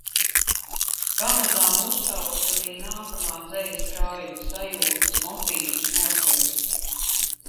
Pamazām uztaustu arī nākamā dzejas krājuma sajūtas, motīvus, noskaņas.